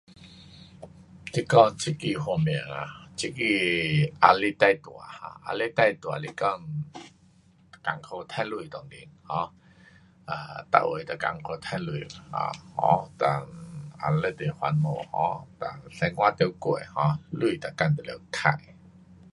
这个，这个方面啊，这个压力最大，um 压力最大是讲，困苦赚钱当今，um 啊，每位都困苦赚钱当今，啊 [um]dan 非常烦恼 [um]，dan 生活得过 um，钱每天都得花。